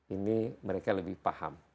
ini mereka lebih paham